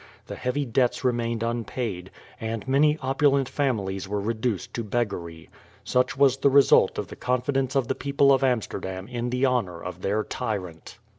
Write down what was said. The heavy debts remained unpaid, and many opulent families were reduced to beggary. Such was the result of the confidence of the people of Amsterdam in the honour of their tyrant.